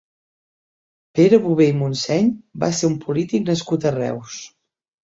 Pere Bové i Montseny va ser un polític nascut a Reus.